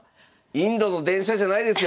インドの電車じゃないですよ！